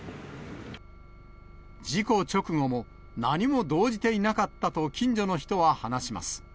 事故直後も、何も動じていなかったと、近所の人は話します。